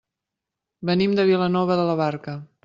Venim de Vilanova de la Barca.